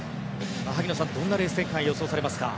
萩野さん、どんなレース展開を予想されますか？